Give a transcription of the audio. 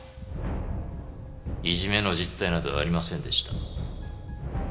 いじめの実態などありませんでした。